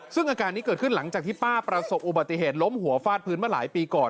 ซึ่งอาการนี้เกิดขึ้นหลังจากที่ป้าประสบอุบัติเหตุล้มหัวฟาดพื้นมาหลายปีก่อน